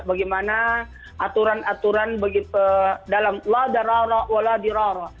bagaimana aturan aturan dalam la darara wa la dirara